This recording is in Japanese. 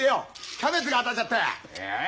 キャベツが当たっちゃった！